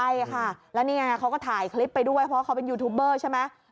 ใช่ค่ะแล้วนี่ไงเขาก็ถ่ายคลิปไปด้วยเพราะเขาเป็นยูทูปเบอร์ใช่ไหม